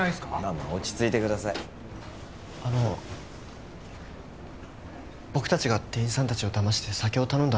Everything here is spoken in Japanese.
あの僕たちが店員さんたちをだまして酒を頼んだのは本当です。